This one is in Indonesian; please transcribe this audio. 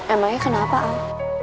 emangnya kenapa al